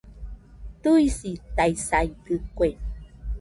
Tɨisitaisaidɨkue